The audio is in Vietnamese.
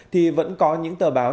thì vẫn có những tờ báo